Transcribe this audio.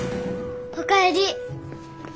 お帰り。